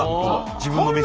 自分の店。